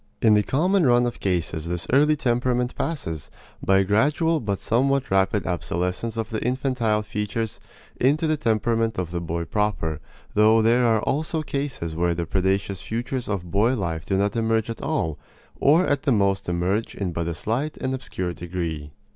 In the common run of cases this early temperament passes, by a gradual but somewhat rapid obsolescence of the infantile features, into the temperament of the boy proper; though there are also cases where the predaceous futures of boy life do not emerge at all, or at the most emerge in but a slight and obscure degree.